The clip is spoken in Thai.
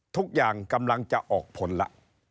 ทุกอย่างกำลังจะออกผลแล้ว